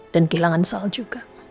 dan kehilangan sal juga